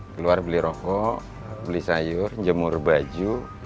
keluar beli rokok beli sayur jemur baju